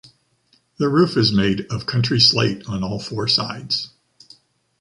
The roof is made of country slate on all four sides.